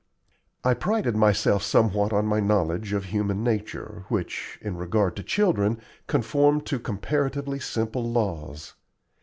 I prided myself somewhat on my knowledge of human nature, which, in regard to children, conformed to comparatively simple laws.